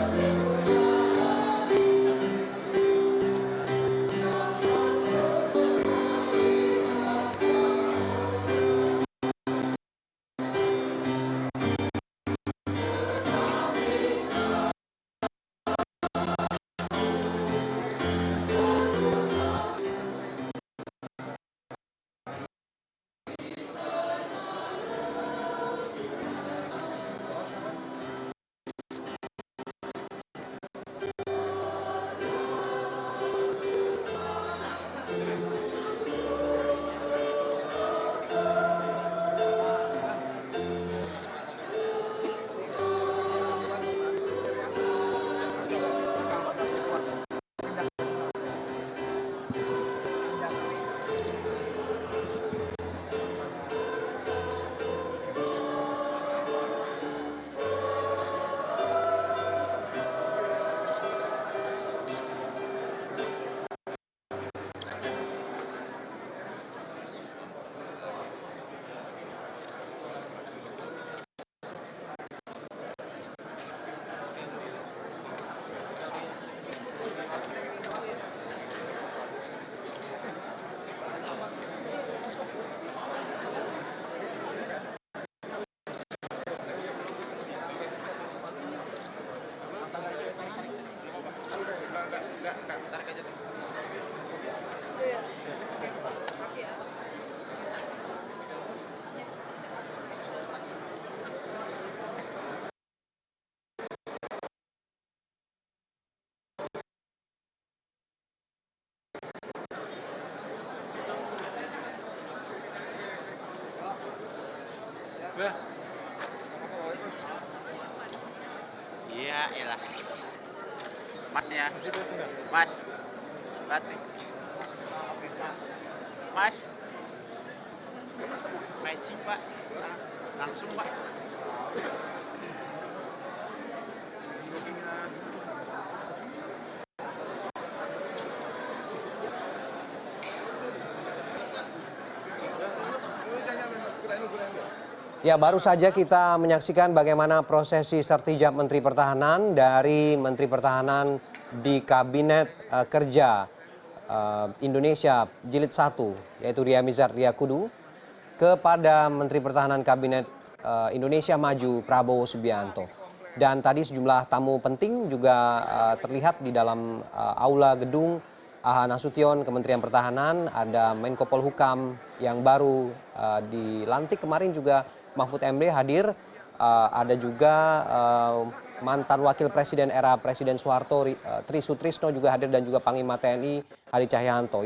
pembelian ucapan selamat kepada bapak riam nijat karyakudu beserta keluarga dan bapak didit hedi prasetyo untuk mengambil tempat mendampingi pelaksanaan ucapan selamat